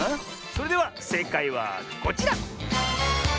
それではせいかいはこちら！